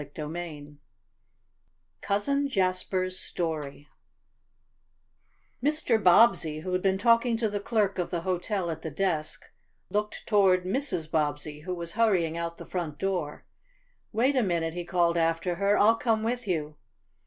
CHAPTER X COUSIN JASPER'S STORY Mr. Bobbsey, who had been talking to the clerk of the hotel at the desk, looked toward Mrs. Bobbsey, who was hurrying out the front door. "Wait a minute!" he called after her. "I'll come with you!"